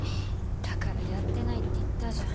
だからやってないって言ったじゃん。